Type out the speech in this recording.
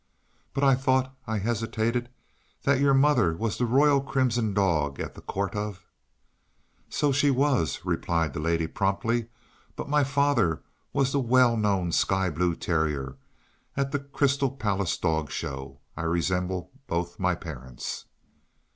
"But I thought" I hesitated "that your mother was the Royal Crimson Dog at the Court of " "So she was," replied the lady promptly, "but my father was the well known sky blue terrier at the Crystal Palace Dog Show. I resemble both my parents."